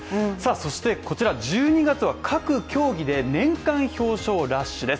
そしてこちら１２月は各競技で年間表彰ラッシュです。